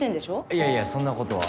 いやいやそんな事は。